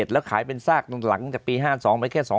แล้วขายเป็นซากตั้งแต่หลังจากปี๕๒ไปแค่๒๕๐๐๐